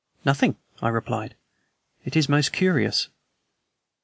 "Nothing," I replied. "It is most curious."